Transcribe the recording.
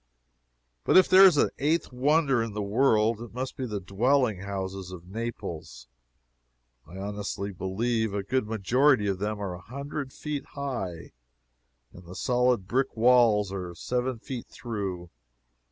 But if there is an eighth wonder in the world, it must be the dwelling houses of Naples. I honestly believe a good majority of them are a hundred feet high! And the solid brick walls are seven feet through.